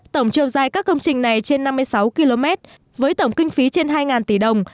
tổng chiều dài các công trình này trên năm mươi sáu km với tổng kinh phí trên hai tỷ đồng